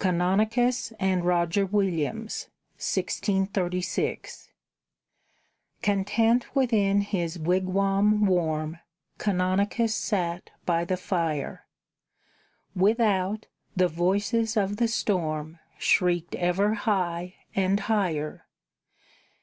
CANONICUS AND ROGER WILLIAMS Content within his wigwam warm, Canonicus sate by the fire; Without, the voices of the storm Shrieked ever high and higher.